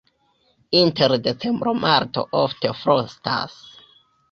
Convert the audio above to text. Inter decembro-marto ofte frostas.